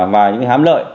và những hám lợi